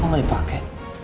kok gak dipake